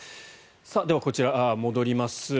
ではこちらに戻ります。